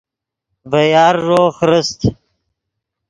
ڤے یارݱو خرست